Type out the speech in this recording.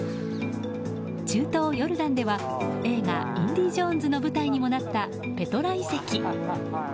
中東ヨルダンでは映画「インディ・ジョーンズ」の舞台にもなったペトラ遺跡。